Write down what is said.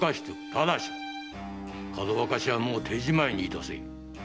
ただしかどわかしはもう手じまいにいたせ。